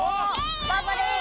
パパです！